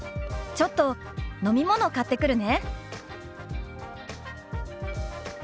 「ちょっと飲み物買ってくるね」。